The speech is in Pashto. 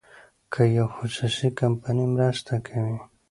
که یوه خصوصي کمپنۍ مرسته کوي.